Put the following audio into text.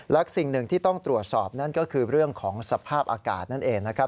และสิ่งหนึ่งที่ต้องตรวจสอบนั่นก็คือเรื่องของสภาพอากาศนั่นเองนะครับ